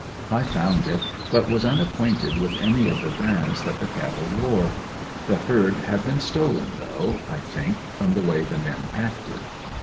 I found it, but was unacquainted with any of the brands that the cattle wore. The herd had been stolen though, I think, from the way the men acted.